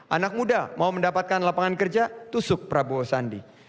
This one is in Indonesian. anak muda mau mendapatkan lapangan kerja tusuk prabowo sandi